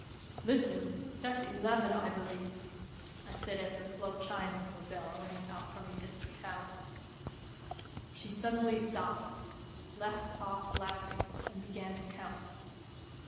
" Listen ! That's eleven, I believe," I said as the slow chime of a bell rang out from a distant tower. She suddenly stopped, left off laughing and began to count.